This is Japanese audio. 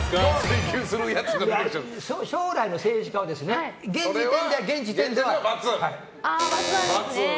将来の政治家ですね現時点では×。